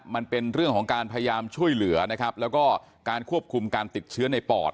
มันเป็นเรื่องของการพยายามช่วยเหลือนะครับแล้วก็การควบคุมการติดเชื้อในปอด